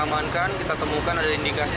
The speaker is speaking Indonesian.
amankan kita temukan ada indikasi